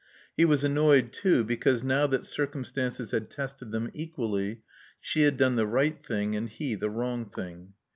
He was annoyed too because now that circumstances had tested them equally, she had done the right thing and he the wrong thing.